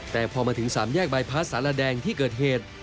แต่พอมาถึงสามแยกบายพลาสสารแดงที่เกิดเหตุ